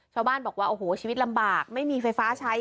ชาวบ้านบอกว่าโอ้โหชีวิตลำบากไม่มีไฟฟ้าใช้